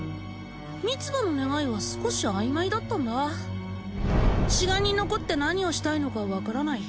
ミツバの願いは少し曖昧だったんだ此岸に残って何をしたいのか分からない